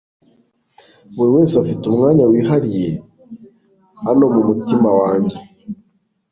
buriwese afite umwanya wihariye .... hano mumutima wanjye